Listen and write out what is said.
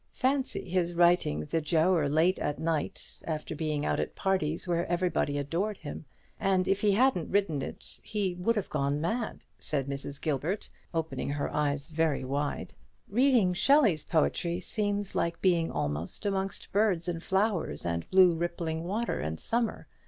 Fancy his writing the 'Giaour' late at night, after being out at parties where everybody adored him; and if he hadn't written it, he would have gone mad," said Mrs. Gilbert, opening her eyes very wide. "Reading Shelley's poetry seems like being amongst birds and flowers and blue rippling water and summer.